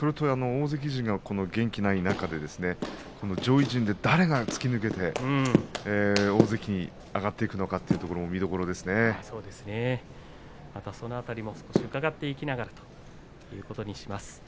大関陣が元気がない中で上位陣で誰が突き抜けて大関に上がっていくのかその辺りも伺っていきながらということにします。